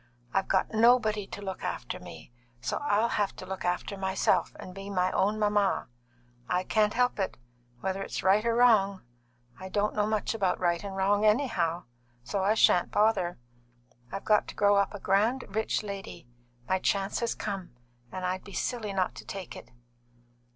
I've got nobody to look after me, so I'll have to look after myself and be my own mamma. I can't help it, whether it's right or wrong. I don't know much about right and wrong, anyhow, so I shan't bother. I've got to grow up a grand, rich lady; my chance has come, and I'd be silly not to take it."